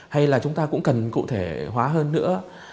hay là chúng ta cũng cần cụ thể hóa hơn nữa